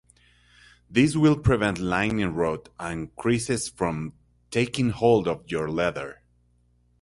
This will prevent lining rot and creases from taking hold of your leather.